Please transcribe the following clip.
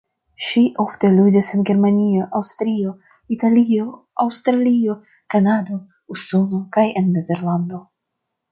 Ŝi ofte ludis en Germanio, Aŭstrio, Italio, Aŭstralio, Kanado, Usono kaj en Nederlando.